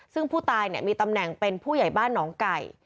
ซึ่งผู้ตายมีตำแหน่งเป็นผู้ใหญ่บ้านหนองไก่